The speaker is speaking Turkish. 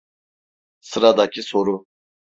Sıradaki soru.